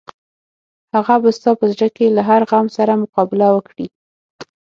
هغه به ستا په زړه کې له هر غم سره مقابله وکړي.